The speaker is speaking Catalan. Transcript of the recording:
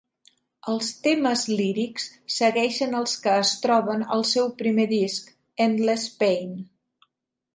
Els temes lírics segueixen els que es troben al seu primer disc "Endless Pain".